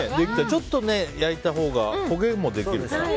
ちょっと焼いたほうが焦げもできるから。